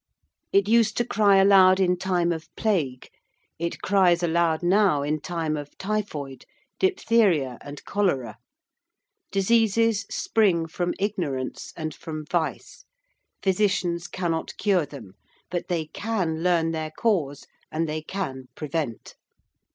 It used to cry aloud in time of Plague: it cries aloud now in time of typhoid, diphtheria, and cholera. Diseases spring from ignorance and from vice. Physicians cannot cure them: but they can learn their cause and they can prevent.